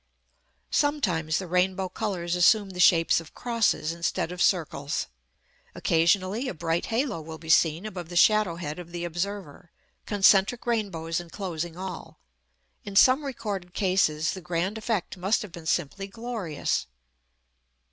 Sometimes the rainbow colours assume the shapes of crosses instead of circles. Occasionally a bright halo will be seen above the shadow head of the observer, concentric rainbows enclosing all. In some recorded cases the grand effect must have been simply glorious.